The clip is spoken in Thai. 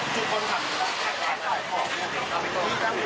ที่เอาหนังสือมาดูจะอธิบายให้มันว่า